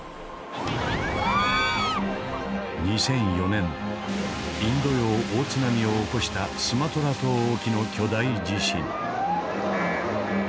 ２００４年インド洋大津波を起こしたスマトラ島沖の巨大地震。